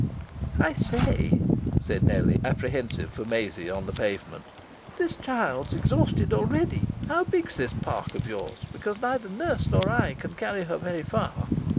"I say," said Nellie, apprehensive for Maisie, on the pavement, "this child's exhausted already. How big's this park of yours? Because neither nurse nor I can carry her very far."